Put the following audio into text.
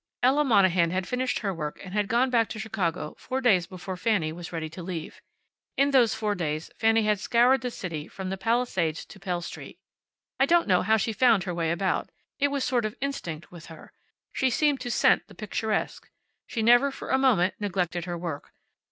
Ella Monahan had finished her work and had gone back to Chicago four days before Fanny was ready to leave. In those four days Fanny had scoured the city from the Palisades to Pell street. I don't know how she found her way about. It was a sort of instinct with her. She seemed to scent the picturesque. She never for a moment neglected her work.